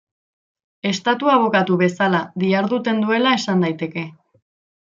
Estatu-abokatu bezala diharduten duela esan daiteke.